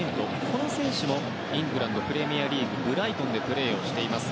この選手も、イングランドプレミアリーグのブライトンでプレーしています。